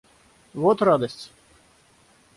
Вот радость!